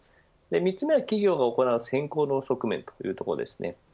３つ目は企業が行う選考の側面というところです。